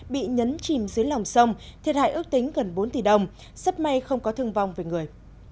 bị nhấn chìm dưới lòng sông thiệt hại ước tính gần bốn tỷ đồng sắp may không có thương vong về người